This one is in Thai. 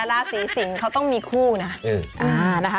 ราศีสิงศ์เขาต้องมีคู่นะ